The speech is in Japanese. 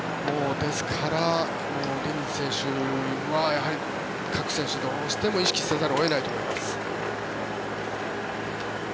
ですから、ディニズ選手はやはり各選手どうしても意識せざるを得ないと思います。